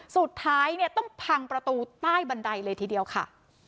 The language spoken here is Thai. สุดท้ายเนี่ยต้องพังประตูใต้บันไดเลยทีเดียวค่ะ